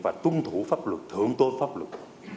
và tuân thủ pháp luật thượng tôn pháp luật